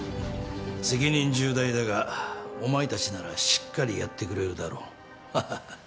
責任重大だがお前たちならしっかりやってくれるだろう。ハハハ。